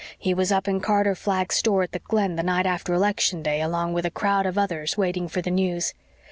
He was up in Carter Flagg's store at the Glen the night after election day, along with a crowd of others, waiting for the news.